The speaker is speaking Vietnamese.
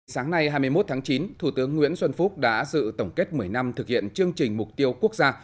sáng nay hai mươi một tháng chín thủ tướng nguyễn xuân phúc đã dự tổng kết một mươi năm thực hiện chương trình mục tiêu quốc gia